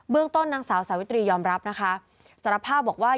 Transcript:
ต้นนางสาวสาวิตรียอมรับนะคะสารภาพบอกว่า